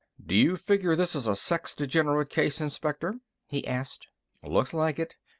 "Do you figure this as a sex degenerate case, Inspector?" he asked. "Looks like it.